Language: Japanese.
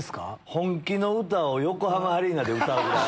本気の歌を横浜アリーナで歌うぐらい。